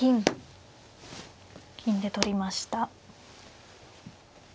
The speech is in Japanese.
金で取りました。